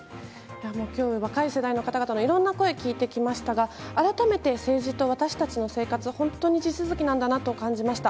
きょう、若い世代の方々のいろんな声聞いてきましたが、改めて政治と私たちの生活は、本当に地続きなんだなと感じました。